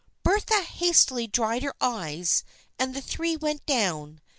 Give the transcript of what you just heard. Bertha hastily dried her eyes and the three went down.